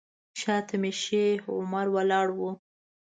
شاته مې شیخ عمر ولاړ و.